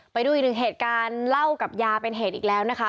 ไปดูอีกหนึ่งเหตุการณ์เล่ากับยาเป็นเหตุอีกแล้วนะคะ